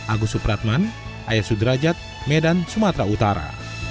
agus supratman ayat sudrajat medan sumatera utara